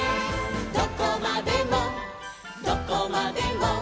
「どこまでもどこまでも」